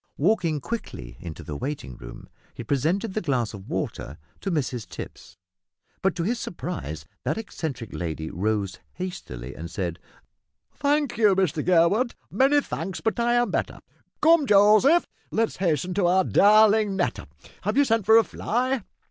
Walking quickly into the waiting room he presented the glass of water to Mrs Tipps, but to his surprise that eccentric lady rose hastily and said, "Thank you, Mr Gurwood, many thanks, but I am better. Come, Joseph let us hasten to our darling Netta. Have you sent for a fly?"